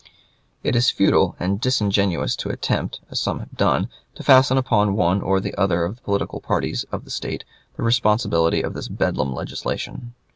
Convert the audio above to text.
It is futile and disingenuous to attempt, as some have done, to fasten upon one or the other of the political parties of the State the responsibility of this bedlam legislation.